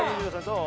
どう？